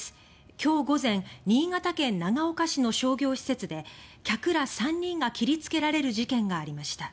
今日午前新潟県長岡市の商業施設で客ら３人が切りつけられる事件がありました。